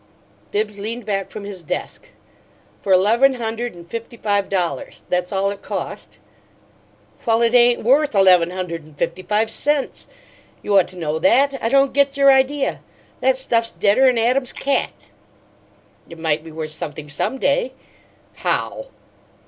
Bibbs leaned back from his desk. "For eleven hundred and fifty five dollars. That's all it cost." "Well, it ain't worth eleven hundred and fifty five cents. You ought to know that. I don't get your idea. That stuff's deader'n Adam's cat!" "It might be worth something some day." "How?"